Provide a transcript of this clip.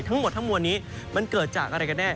ทั้งหมดทั้งมวลนี้มันเกิดจากอะไรกันแน่